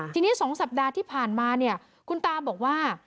ทีนี้๒สัปดาห์ที่ผ่านมาเนี่ยคุณตาบอกว่า